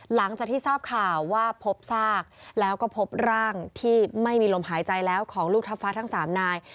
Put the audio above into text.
หลังจากที่ทราบข่าวว่าพบซากแล้วก็พบร่างที่ไม่มีลมหายใจแล้วของลูกทัพฟ้าทั้ง๓นาย